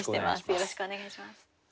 よろしくお願いします。